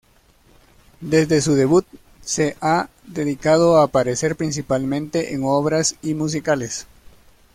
Desde su debut, se ha dedicado a aparecer principalmente en obras y musicales.